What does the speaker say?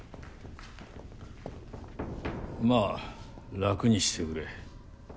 まあ楽にしてくれ。